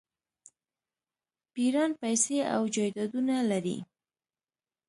پیران پیسې او جایدادونه لري.